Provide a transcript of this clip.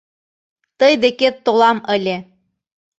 Тый декет толам ыле.